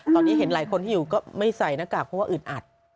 ตอนนี้เห็นหลายคนที่อยู่ก็ไม่ใส่หน้ากากเพราะว่าอึดอัด